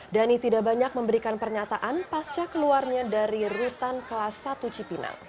dhani tidak banyak memberikan pernyataan pasca keluarnya dari rutan kelas satu cipinang